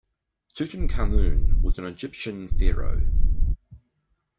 Tutankhamen was an Egyptian pharaoh.